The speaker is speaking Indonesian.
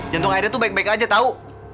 jantung airnya tuh baik baik aja tau